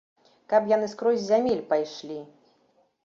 Каб яны скрозь зямель пайшлі!